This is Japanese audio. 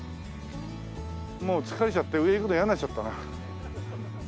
もう疲れちゃって上行くの嫌になっちゃったな。